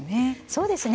そうですね。